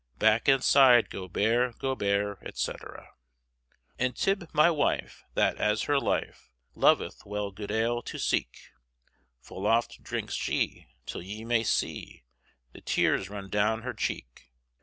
Backe and syde go bare, go bare, etc. And Tyb my wife, that, as her lyfe, Loveth well good ale to seeke, Full oft drynkes shee, tyll ye may see, The teares run downe her cheeke.